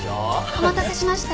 お待たせしました。